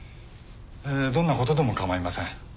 どんな事でも構いません。